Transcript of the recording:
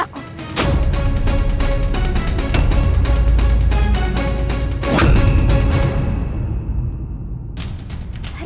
aku sudah menjelaskan semua ini